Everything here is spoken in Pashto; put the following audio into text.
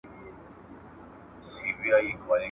ښځه چي کله له نارینه سره